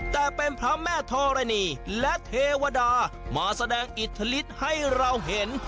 แต่เป็นพระแม่ธรณีและเทวดามาแสดงอิทธิฤทธิ์ให้เราเห็น